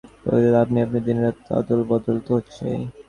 প্রকৃতিতে আপনি-আপনি দিনরাত অদলবদল তো হচ্ছেই।